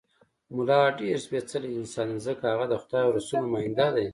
ملا ډېر سپېڅلی انسان دی، ځکه هغه د خدای او رسول نماینده دی.